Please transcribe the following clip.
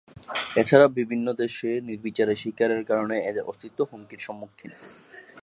এছাড়া বিভিন্ন দেশে নির্বিচারে শিকারের কারণে এদের অস্তিত্ব হুমকির সম্মুখীন।